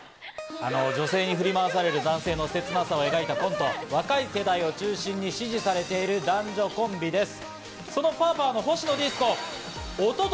あの、女性に振り回される男性の切なさを描いたコント、若い世代を中心に支持されている男女コンビです。